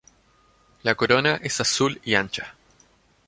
La corona es azul y ancha.